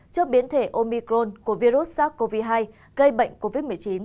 trước biến thể omicron của virus sars cov hai gây bệnh covid một mươi chín